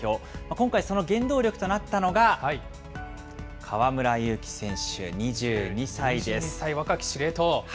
今回、その原動力となったのが河２２歳、若き司令塔。